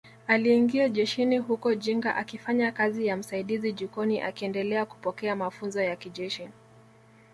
Aliingia jeshini huko Jinja akifanya kazi ya msaidizi jikoni akiendelea kupokea mafunzo ya kijeshi